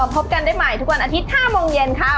พบกันได้ใหม่ทุกวันอาทิตย์๕โมงเย็นค่ะ